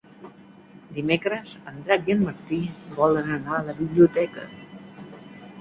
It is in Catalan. Dimecres en Drac i en Martí volen anar a la biblioteca.